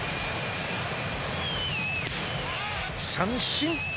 三振。